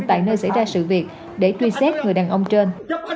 tại nơi xảy ra sự việc để truy xét người đàn ông trên